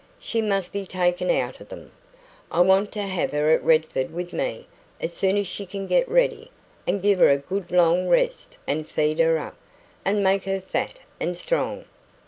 She must be taken out of them. I want to have her at Redford with me as soon as she can get ready and give her a good long rest, and feed her up, and make her fat and strong."